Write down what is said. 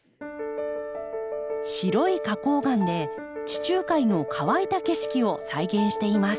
白い花こう岩で地中海の乾いた景色を再現しています。